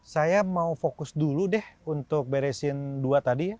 saya mau fokus dulu deh untuk beresin dua tadi ya